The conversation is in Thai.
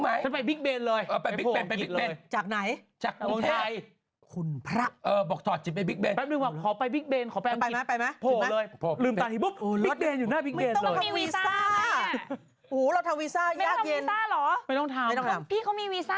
หาแม่งไปดูอีกที่กายช่องเตือน้ำเรืออยู่ที่เดิม